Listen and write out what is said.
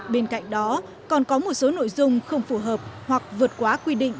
bên cạnh đó còn có một số nội dung không phù hợp hoặc vượt quá quy định